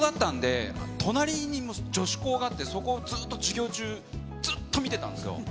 僕、男子校だったんで、隣に女子高があって、そこをずっと授業中、ずっと見てたんですよ。